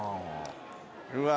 うわ。